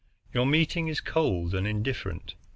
Your meeting is cold and indifferent.